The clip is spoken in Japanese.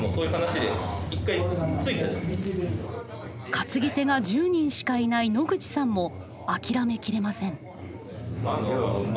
担ぎ手が１０人しかいない野口さんも諦め切れません。